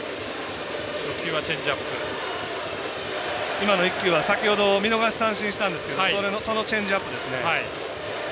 今の１球は、先ほど見逃し三振したんですけどそのチェンジアップですね。